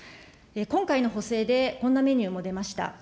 今回の補正でこんなメニューも出ました。